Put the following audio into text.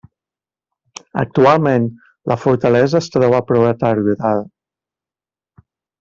Actualment, la fortalesa es troba prou deteriorada.